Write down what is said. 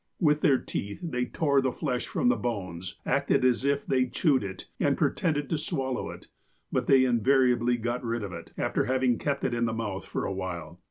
With their teeth they tore the flesh from the bones, acted as if they chewed it, and pretended to swallow it, but they invariably got rid of it, after having kept it in the mouth for a while.